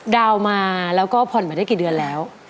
ดาวน์มาแล้วก็ผ่อนมาได้กี่เดือนแล้ว